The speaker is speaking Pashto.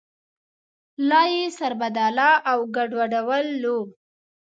لا یې سربداله او ګډوډولو.